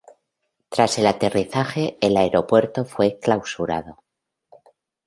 Tras el aterrizaje, el aeropuerto fue clausurado.